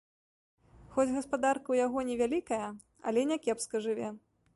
Хоць гаспадарка ў яго невялікая, але не кепска жыве.